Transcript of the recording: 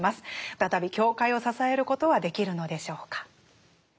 再び教会を支えることはできるのでしょうか。